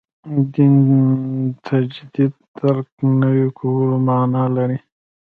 دین تجدید درک نوي کولو معنا لري.